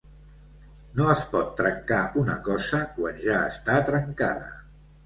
No es pot trencar una cosa quan ja està trencada.